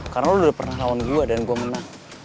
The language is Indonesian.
karena lo udah pernah lawan gue dan gue menang